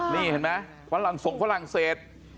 นี่เห็นไหมส่งฝรั่งเศส